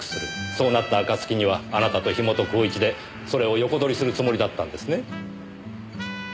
そうなった暁にはあなたと樋本晃一でそれを横取りするつもりだったんですね？